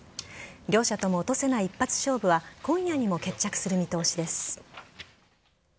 両者とも落とせない一発勝負は今夜にも決着する見通しです。